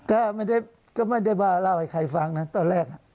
ก็ไม่ได้ก็ไม่ได้ว่าเล่าให้ใครฟังนะตอนแรก